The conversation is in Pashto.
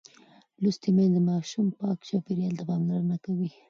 لوستې میندې د ماشوم پاک چاپېریال ته پاملرنه کوي.